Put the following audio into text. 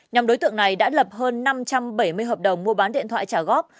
nhóm đối tượng này đã lập hơn năm trăm bảy mươi hợp đồng mua bán điện thoại trả góp